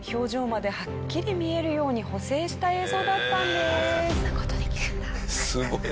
すごいな！